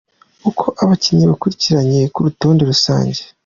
Uko abakinnyi bakurikiranye ku rutonde rusange.